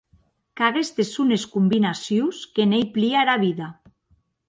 Qu’aguestes son es combinacions que n’ei plia era vida.